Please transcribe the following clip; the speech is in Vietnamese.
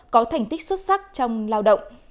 có thành tích xuất sắc trong lao động